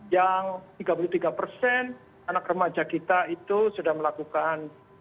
yang tiga puluh tiga persen anak remaja kita itu sudah melakukan